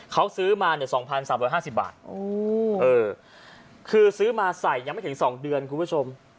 เขาซื้อมา๒๓๕๐บาทคือซื้อมาใส่ยังไม่ถึง๒เดือนคุณผู้ชม